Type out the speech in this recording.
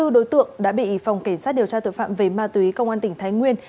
hai mươi đối tượng đã bị phòng cảnh sát điều tra tội phạm về ma túy công an tỉnh thái nguyên